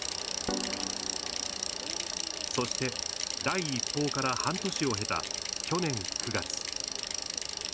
そして、第一報から半年を経た去年９月。